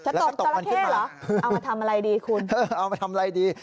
จับจอลาเค่หรอเอามาทำอะไรดีคุณเห่อเอามาทำอะไรดี